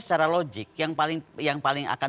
secara logik yang paling akan